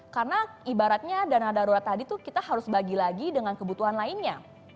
karena ibaratnya dana darurat tadi tuh kita harus bagi lagi dengan kebutuhan lainnya